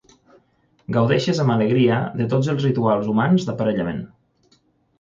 Gaudeixes amb alegria de tots els rituals humans d'aparellament.